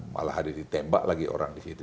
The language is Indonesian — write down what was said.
malah hari ditembak lagi orang di situ